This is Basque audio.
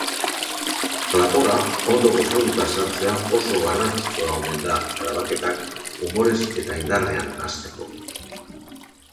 Platora ondo gosalduta sartzea oso garrantzitsua omen da grabaketak umorez eta indarrean hasteko.